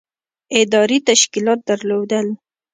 ادارې تشکیلات درلودل.